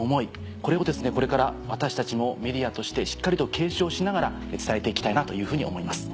これをこれから私たちもメディアとしてしっかりと継承しながら伝えて行きたいなというふうに思います。